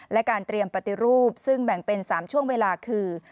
และการเตรียมปฏิรูปซึ่งแบ่งเป็น๓ช่วงเวลาคือ